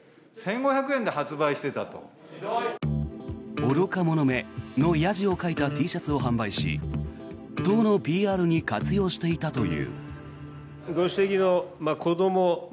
「愚か者め」のやじを書いたＴシャツを販売し党のＰＲに活用していたという。